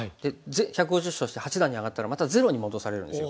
１５０勝して八段に上がったらまたゼロに戻されるんですよ。